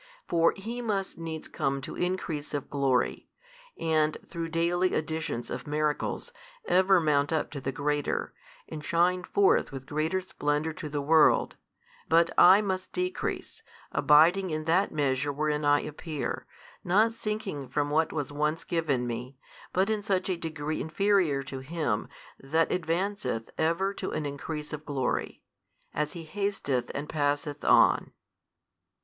For He must needs come to increase of glory, and, through daily additions of miracles, ever mount up to the greater, and shine forth with greater splendour to the world: but I must decrease, abiding in that measure wherein I appear, not sinking from what was once given me, but in such a degree inferior to Him That advanceth ever to an increase of glory, as He hasteth and passeth on.